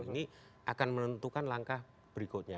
ini akan menentukan langkah berikutnya